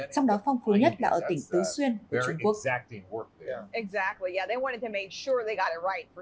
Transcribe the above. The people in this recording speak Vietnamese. trong đó phong phú nhất là ở tỉnh tứ xuyên của trung quốc